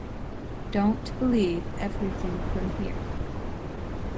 Don't believe everything from here.